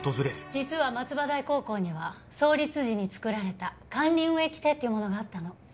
実は松葉台高校には創立時に作られた管理運営規定というものがあったの。